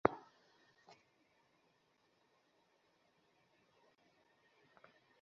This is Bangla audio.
মহেন্দ্র কহিল, কখনো না?